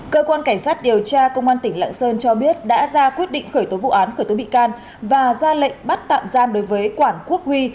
cơ quan cảnh sát điều tra công an tỉnh lạng sơn cho biết đã ra quyết định khởi tố vụ án khởi tố bị can và ra lệnh bắt tạm giam đối với quản quốc huy